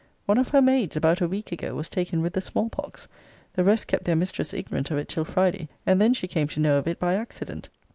One of her maids, about a week ago, was taken with the small pox. The rest kept their mistress ignorant of it till Friday; and then she came to know of it by accident.